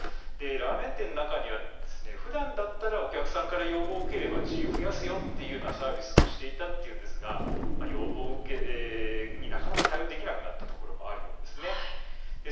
ラーメン店の中にはふだんだったらお客さんから要望を受ければ鶏油を増やすよというサービスをしていたというんですが要望になかなか対応できなくなったところもあるんです。